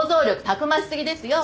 たくましすぎですよ。